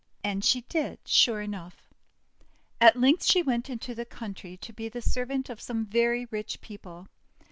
And she did, sure enough. At length she went into the country to be the servant of some very rich people.